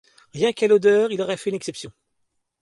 Rien qu’à l’odeur, il aurait fait une exception.